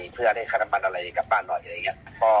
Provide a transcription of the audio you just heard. เพื่อได้ค่าน้ำมันอะไรกลับบ้านหน่อยอะไรอย่างนี้